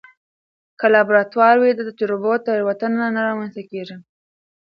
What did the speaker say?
که لابراتوار وي، د تجربو تېروتنه نه رامنځته کېږي.